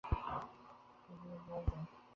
বরং তাকে ভীরু বলা যায়।